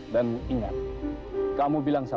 dateng sama si bonne